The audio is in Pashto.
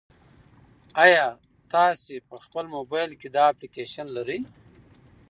ایا تاسي په خپل موبایل کې دا اپلیکیشن لرئ؟